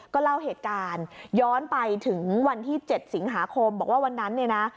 ก็เล่าเหตุการณ์ย้อนไปถึงวันที่๗สิงหาคมบอกว่าวันนั้นเนี่ยนะ